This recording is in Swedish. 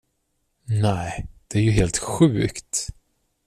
Nej, det är ju helt sjukt.